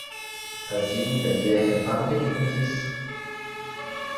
A-zivout al liaer barvek e komzez ?